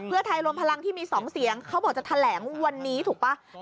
เพื่อไทยรวมพลังที่มี๒เสียงเขาบอกจะแถลงวันนี้ถูกป่ะ